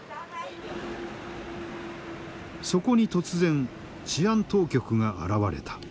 そこに突然治安当局が現れた。